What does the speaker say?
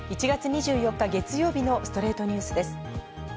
１月２４日、月曜日の『ストレイトニュース』です。